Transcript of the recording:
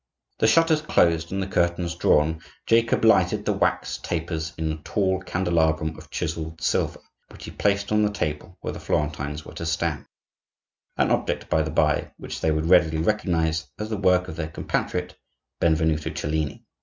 The shutters closed, and the curtains drawn, Jacob lighted the wax tapers in a tall candelabrum of chiselled silver, which he placed on the table where the Florentines were to stand,—an object, by the bye, which they would readily recognize as the work of their compatriot, Benvenuto Cellini.